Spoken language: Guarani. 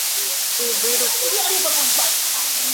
Yvy rupi.